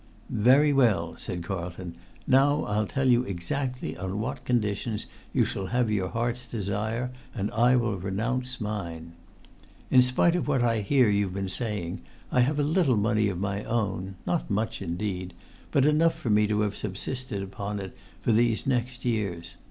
"Very well," said Carlton; "now I'll tell you exactly on what conditions you shall have your heart's desire, and I will renounce mine. In spite of what I hear you've been saying, I have a little money of my own—not much, indeed—but enough for me to have subsisted upon for these next years.